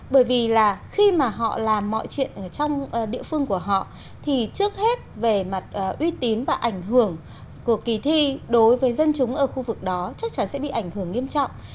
bởi vì là khi mà họ làm mọi chuyện ở trong địa phương của họ thì trước hết về mặt uy tín và ảnh hưởng của kỳ thi đối với dân chúng ở khu vực đó chắc chắn sẽ bị ảnh hưởng nghiêm trọng